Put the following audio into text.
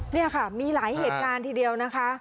นี่ค่ะมีหลายเหตุการณ์ทีเดียวนะคะ